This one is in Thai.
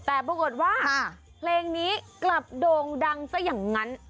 แต่ปรากฏว่าเพลงนี้กลับโด่งดังซะอย่างนั้น